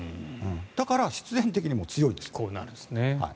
だから、必然的に強いんですよ。